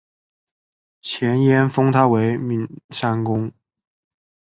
前燕封他为岷山公。